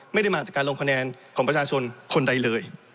ไม่ได้มาจากการลงคะแนนของประชาชนคนใดเลย